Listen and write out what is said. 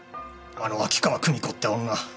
あの秋川久美子って女。